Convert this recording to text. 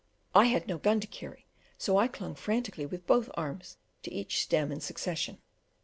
I had no gun to carry, so I clung frantically with both arms to each stem in succession.